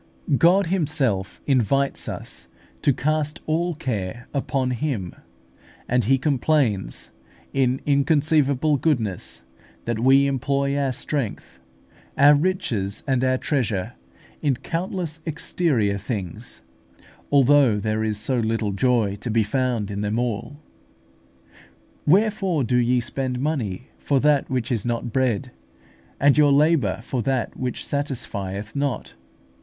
God Himself invites us to cast all our care upon Him, and He complains, in inconceivable goodness, that we employ our strength, our riches, and our treasure, in countless exterior things, although there is so little joy to be found in them all. "Wherefore do ye spend money for that which is not bread, and your labour for that which satisfieth not?